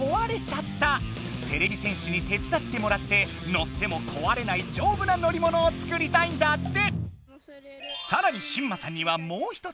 てれび戦士に手伝ってもらって乗ってもこわれないじょうぶな乗りものを作りたいんだって。